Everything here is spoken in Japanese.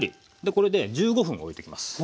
これで１５分おいときます。